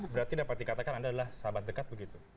berarti dapat dikatakan anda adalah sahabat dekat begitu